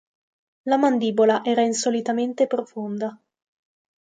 La mandibola era insolitamente profonda.